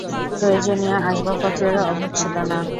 প্রয়োজনীয় আসবাব পত্রেরও অভাব ছিল না।